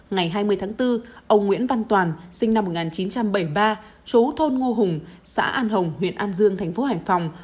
ngày hai mươi tháng bốn ông nguyễn văn toàn sinh năm một nghìn chín trăm bảy mươi ba chú thôn ngô hùng xã an hồng huyện an dương thành phố hải phòng